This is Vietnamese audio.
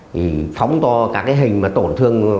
thì phóng to các cái hình mà tổn thương